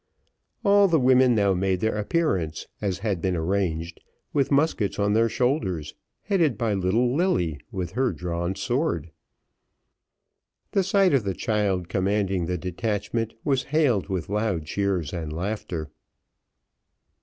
All the women now made their appearance, as had been arranged, with muskets on their shoulders, headed by little Lilly, with her drawn sword. The sight of the child commanding the detachment was hailed with loud cheers and laughter.